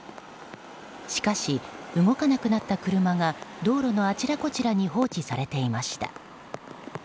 しかし、動かなくなった車が道路のあちらこちらに放置されていました。